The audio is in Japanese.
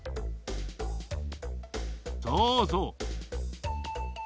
そうそう。